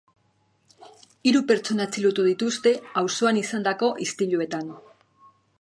Hiru pertsona atxilotu dituzte auzoan izandako istiluetan.